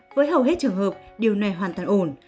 với hầu hết trường hợp điều này hoàn toàn ổn